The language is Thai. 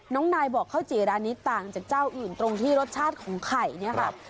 น้องนายบอกข้าวจี่ร้านนี้ต่างจากเจ้าอื่นตรงที่รสชาติของไข่เนี่ยค่ะ